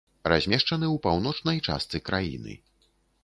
Размешчаны ў паўночнай частцы краіны.